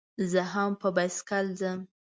زه هم په بایسکل ځم.